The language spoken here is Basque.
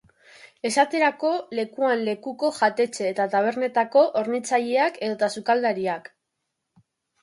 Esaterako, lekuan lekuko jatetxe eta tabernetako hornitzaileak edota sukaldariak.